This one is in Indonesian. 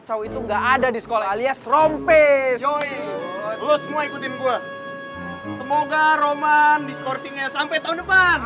semoga roman discoursing nya sampai tahun depan